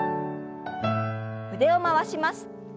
腕を回します。